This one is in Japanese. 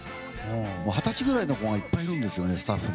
二十歳くらいの子がいっぱいいるんですよね。